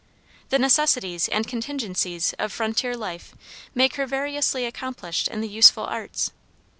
The necessities and contingencies of frontier life make her variously accomplished in the useful arts.